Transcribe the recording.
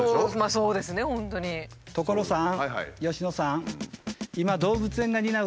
所さん佳乃さん。